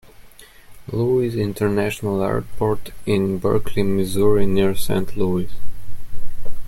Louis International Airport, in Berkeley, Missouri, near Saint Louis.